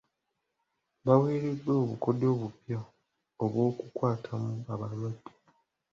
Baweereddwa obukodyo obupya obw'okukwatamu abalwadde.